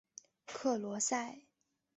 克罗塞。